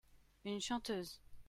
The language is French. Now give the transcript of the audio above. Une chanteuse.